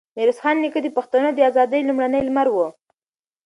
ميرويس خان نیکه د پښتنو د ازادۍ لومړنی لمر و.